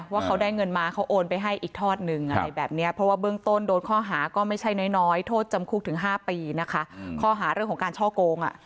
ว่าได้จากแต่ละลายมาแล้วคุณโอนไปให้ใครบ้าง